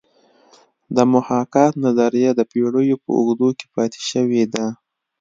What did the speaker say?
د محاکات نظریه د پیړیو په اوږدو کې پاتې شوې ده